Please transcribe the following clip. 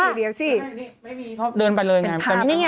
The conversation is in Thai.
ไม่มีเขาเดินไปเลยไง